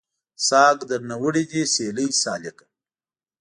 ساګ درنه وړی دی سیلۍ سالکه